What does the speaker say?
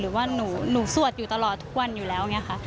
หรือว่าหนูสวดอยู่ตลอดทุกวันอยู่แล้วอย่างนี้ค่ะ